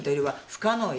不可能よ。